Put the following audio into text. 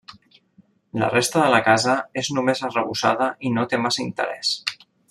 La resta de la casa és només arrebossada i no té massa interès.